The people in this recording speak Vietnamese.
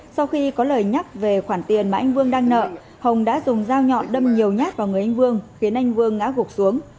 sau khi có lời nhắc về khoản tiền mà anh vương đang nợ hồng đã dùng dao nhọn đâm nhiều nhát vào người anh vương khiến anh vương ngã gục xuống